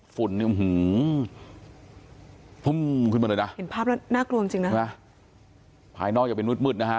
ฝุ่นฮือหือขึ้นมาเลยนะภาพน่ากลัวจริงจริงนะฟ้านอกจะเป็นนึดมืดนะฮะ